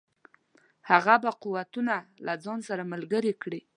هغه به قوتونه له ځان سره ملګري کړي.